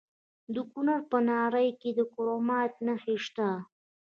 د کونړ په ناړۍ کې د کرومایټ نښې شته.